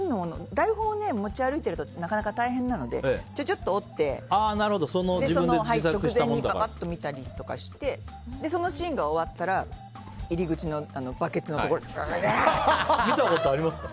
台本を持ち歩いているとなかなか大変なのでちょちょっと折って直前にパパッと見たりしてそのシーンが終わったら入り口のバケツのところで見たことありますか？